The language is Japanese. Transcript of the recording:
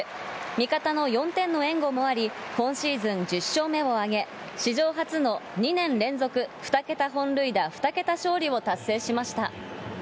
味方の４点の援護もあり、今シーズン１０勝目を挙げ、史上初の２年連続２桁本塁打２桁勝利を達成しました。